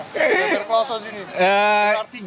beber kloso di sini